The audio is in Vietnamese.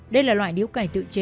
đây là loại điếu cày tự chế